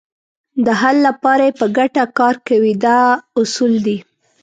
د حل لپاره یې په ګټه کار کوي دا اصول دي.